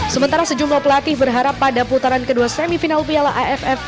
sementara sejumlah pelatih berharap pada putaran kedua semifinal piala aff